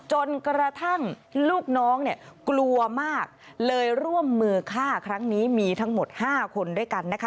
จนกระทั่งลูกน้องเนี่ยกลัวมากเลยร่วมมือฆ่าครั้งนี้มีทั้งหมด๕คนด้วยกันนะคะ